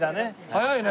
早いね。